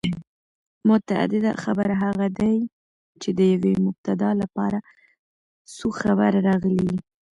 متعدد خبر هغه دئ، چي د یوې مبتداء له پاره څو خبره راغلي يي.